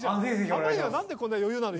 濱家は何でこんな余裕なの？